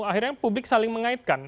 akhirnya publik saling mengaitkan